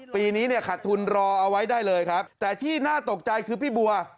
ปีนี้เนี่ยขาดทุนรอเอาไว้ได้เลยครับแต่ที่น่าตกใจคือพี่บัว